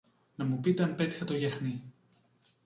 να μου πείτε αν πέτυχα το γιαχνί.